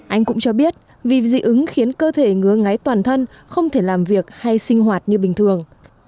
anh cũng cho biết vì dị ứng khiến cơ thể ngứa ngáy toàn thân không thể làm việc hay sinh hoạt như bình thường